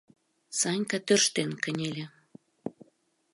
Санька тӧрштен кынеле.